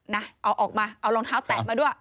นะเอาออกมาเอารองเท้าแตะมาด้วย